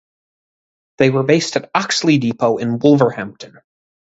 They were based at Oxley depot in Wolverhampton.